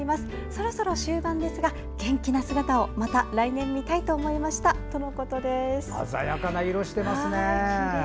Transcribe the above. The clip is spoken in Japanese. そろそろ終盤ですが、元気な姿をまた来年見たいと思いました鮮やかな色してますね。